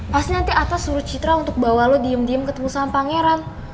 pasti nanti atta suruh citra untuk bawa lu diem diem ketemu sama pangeran